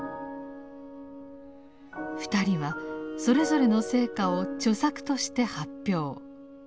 二人はそれぞれの成果を著作として発表。